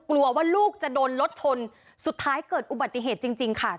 กลัวว่าลูกจะโดนรถชนสุดท้ายเกิดอุบัติเหตุจริงค่ะ